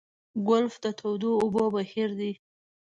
ګلف د تودو اوبو بهیر دی.